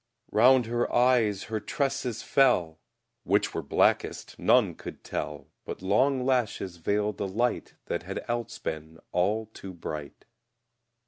Round her eyes her tresses fell, Which were blackest none could tell, But long lashes veiled a light, That had else been all too bright.